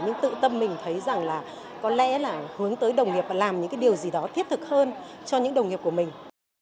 nhưng tự tâm mình thấy rằng là có lẽ là hướng tới đồng nghiệp và làm những cái điều gì đó thiết thực hơn cho những đồng nghiệp của mình